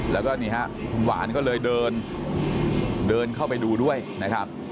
แล้วก็นี่ฮะคุณหวานก็เลยเดินเดินเข้าไปดูด้วยนะครับ